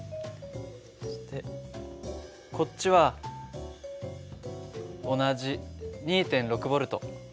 そしてこっちは同じ２．６Ｖ。